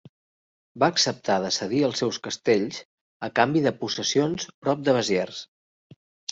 Va acceptar de cedir els seus castells a canvi de possessions prop de Besiers.